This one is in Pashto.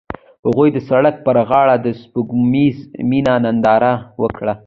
هغوی د سړک پر غاړه د سپوږمیز مینه ننداره وکړه.